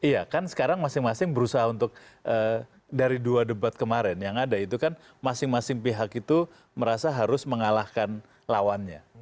iya kan sekarang masing masing berusaha untuk dari dua debat kemarin yang ada itu kan masing masing pihak itu merasa harus mengalahkan lawannya